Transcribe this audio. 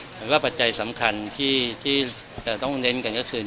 หมายความปัจจัยสำคัญที่เราต้องเน้นกันก็คือ